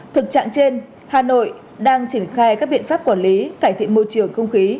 thực trạng trên hà nội đang triển khai các biện pháp quản lý cải thiện môi trường không khí